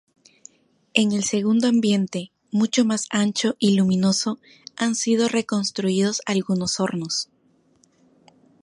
En el segundo ambiente, mucho más ancho y luminoso, han sido reconstruidos algunos hornos.